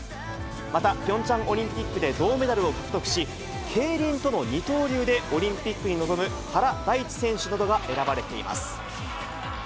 また、ピョンチャンオリンピックで銅メダルを獲得し、競輪との二刀流でオリンピックに臨む原大智選手などが選ばれています。